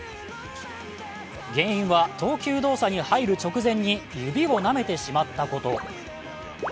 原因は投球動作に入る直前に指をなめてしまったこと。